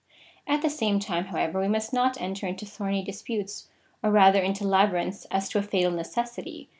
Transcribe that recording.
At the same time, however, we must not enter into thorny disputes, or rather into labyrinths as to a fatal necessity.